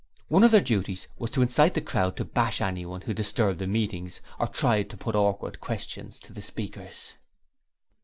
One of their duties was to incite the crowd to bash anyone who disturbed the meetings or tried to put awkward questions to the speakers.